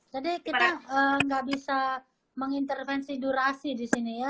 jadi kita enggak bisa mengintervensi durasi di sini ya